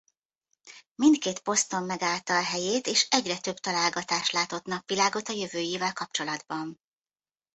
Mindkét poszton megállta a helyét és egyre több találgatás látott napvilágot a jövőjével kapcsolatban.